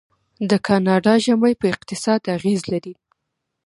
د کاناډا ژمی په اقتصاد اغیز لري.